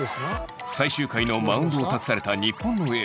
最終回のマウンドを託された日本の